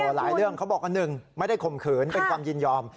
หลายเรื่องเขาบอกว่า๑ไม่ได้ข่มขืนเป็นความยินยอม